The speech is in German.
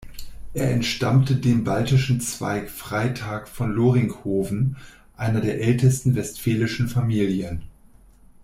Er entstammte dem baltischen Zweig Freytag von Loringhoven, einer der ältesten westfälischen Familien.